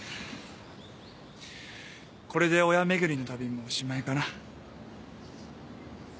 これで親巡りの旅もおしまいかな。